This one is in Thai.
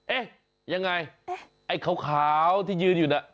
เอ๊ะยังไงไอ้ขาวที่ยืนอยู่น่ะ